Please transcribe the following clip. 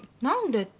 「何で？」